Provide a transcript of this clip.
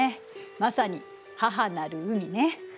まさに母なる海ね。